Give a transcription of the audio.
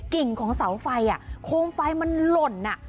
กิ่งของเสาไฟโคมไฟมันหล่น